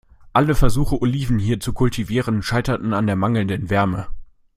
Alle Versuche, Oliven hier zu kultivieren, scheiterten an der mangelnden Wärme.